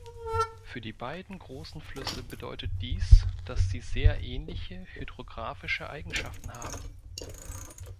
Für die beiden großen Flüsse bedeutet dies, dass sie sehr ähnliche hydrografische Eigenschaften haben.